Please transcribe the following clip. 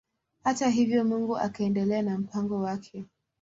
Hata hivyo Mungu akaendelea na mpango wake.